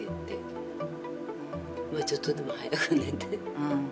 ちょっとでも早く寝て。